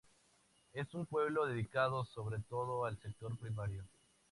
Es un pueblo dedicado sobre todo al sector primario.